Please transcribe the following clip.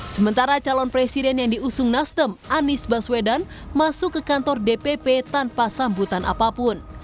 sementara calon presiden yang diusung nasdem anies baswedan masuk ke kantor dpp tanpa sambutan apapun